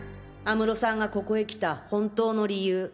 安室さんがここへ来た本当の理由。